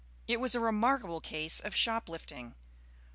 It was a remarkable case of shop lifting.